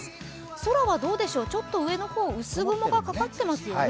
空はどうでしょう、ちょっと上の方薄雲がかかってますよね。